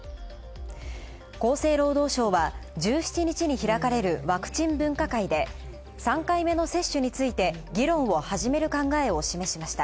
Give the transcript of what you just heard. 厚生労働省は、１７日に開かれるワクチン分科会で３回目の接種について議論を始める考えを示しました。